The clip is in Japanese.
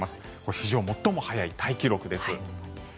史上最も早いタイ記録です。